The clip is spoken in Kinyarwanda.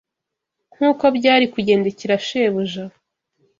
nk’uko byari kugendekera Shebuja